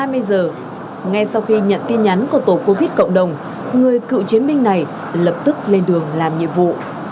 hai mươi giờ ngay sau khi nhận tin nhắn của tổ covid cộng đồng người cựu chiến binh này lập tức lên đường làm nhiệm vụ